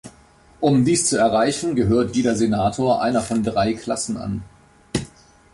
Um dies zu erreichen, gehört jeder Senator einer von drei Klassen an.